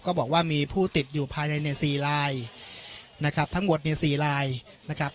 ก็บอกว่ามีผู้ติดอยู่ภายในเนี่ย๔ลายนะครับทั้งหมดเนี่ย๔ลายนะครับ